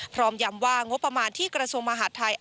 ยำว่างบประมาณที่กระทรวงมหาดไทย